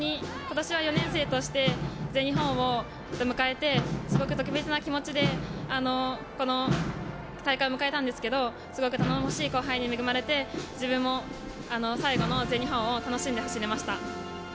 今年は４年生として全日本を迎えてすごく特別な気持ちでこの大会を迎えたんですけど、すごく頼もしい後輩に恵まれて、自分も最後の全日本を楽しんで走れました。